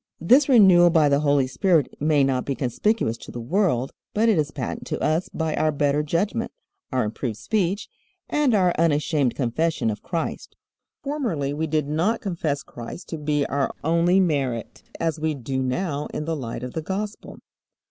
This renewal by the Holy Spirit may not be conspicuous to the world, but it is patent to us by our better judgment, our improved speech, and our unashamed confession of Christ. Formerly we did not confess Christ to be our only merit, as we do now in the light of the Gospel.